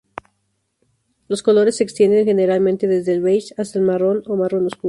Los colores se extienden generalmente desde el beige al marrón o marrón oscuro.